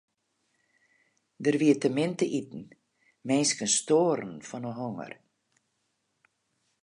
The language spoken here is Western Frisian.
Der wie te min te iten, minsken stoaren fan 'e honger.